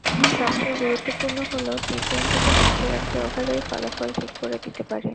্রসবচেয়ে গুরুত্বপূর্ণ হলো, টি-টোয়েন্টিতে ম্যাচের একটা ওভারই ফলাফল ঠিক করে দিতে পারে।